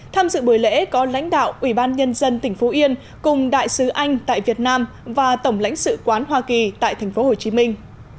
tham dự buổi lễ có lãnh đạo ủy ban nhân dân tỉnh phú yên cùng đại sứ anh tại việt nam và tổng lãnh sự quán hoa kỳ tại thành phố hồ chí minh